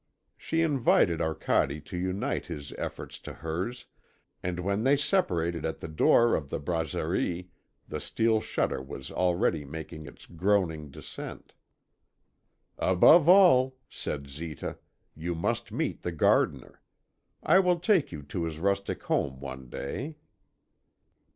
She invited Arcade to unite his efforts to hers, and when they separated at the door of the brasserie the steel shutter was already making its groaning descent. "Above all," said Zita, "you must meet the gardener. I will take you to his rustic home one day."